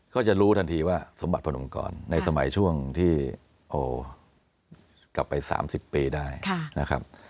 ก็จะรู้ทันทีว่าสมบัติพระองค์กรในสมัยช่วงที่กลับไป๓๐ปีได้นะครับ